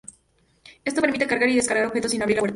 Esto permite cargar y descargar objetos sin abrir la puerta.